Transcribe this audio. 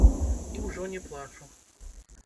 І ўжо не плачу.